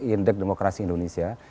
indeks demokrasi indonesia